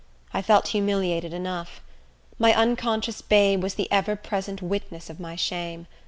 I felt humiliated enough. My unconscious babe was the ever present witness of my shame.